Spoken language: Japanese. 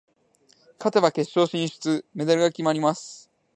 勝てば決勝進出、メダルが決まります。